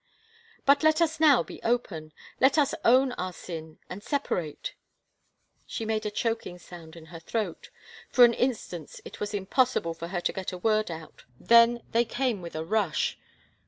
But let us now be open. Let us own our sin and separate —" She made a choking sound in her throat. For an in stant it was impossible for her to get a word out, then they came with a rush.